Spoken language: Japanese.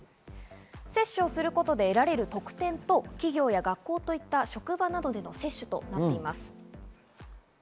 接種をすることで得られる特典と企業や学校といった職場などでの接種となっています。